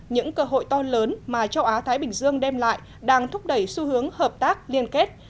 những cơ hội to lớn mà châu á thái bình dương đem lại đang thúc đẩy xu hướng hợp tác liên kết